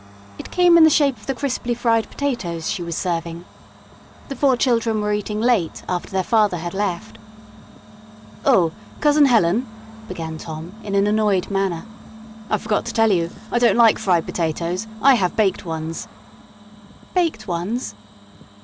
It came in the shape of the crisply fried potatoes she was serving. The four children were eating late after their father had left. "Oh, Cousin Helen," began Tom, in an annoyed manner, "I forgot to tell you; I don't like fried potatoes. I have baked ones." "Baked ones?"